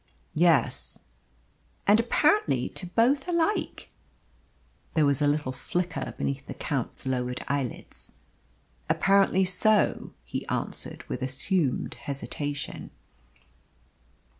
"Yes." "And apparently to both alike." There was a little flicker beneath the Count's lowered eyelids. "Apparently so," he answered, with assumed hesitation.